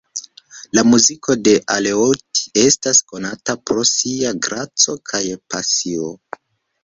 La muziko de Aleotti estas konata pro sia graco kaj pasio.